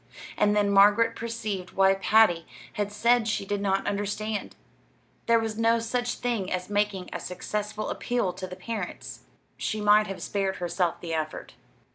And then Margaret perceived why Patty had said she did not understand there was no such thing as making a successful appeal to the parents. She might have spared herself the effort.